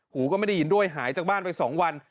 หูก็ไม่ได้ยินด้วยหายจากบ้านไป๒วัน